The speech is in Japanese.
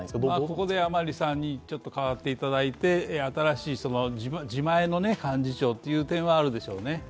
ここで甘利さんに代わっていただいて、自前の幹事長という点はあるでしょうね。